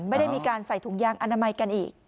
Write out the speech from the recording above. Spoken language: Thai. ไม่ได้มีการใส่ถุงยางอนามัยกันอีก